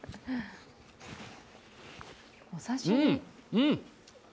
うん！